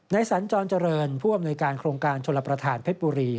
สันจรเจริญผู้อำนวยการโครงการชลประธานเพชรบุรี